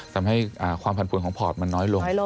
ทำให้ความผันปวนของพอร์ตมันน้อยลง